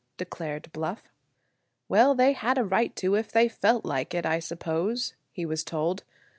declared Bluff. "Well, they had a right to, if they felt like it, I suppose," he was told.